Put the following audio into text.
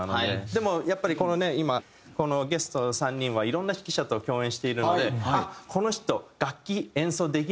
でもやっぱりこのね今このゲスト３人はいろんな指揮者と共演しているのであっこの人楽器演奏できないとかできるとか。